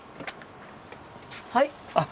はい。